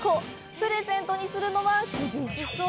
プレゼントにするのは厳しそう！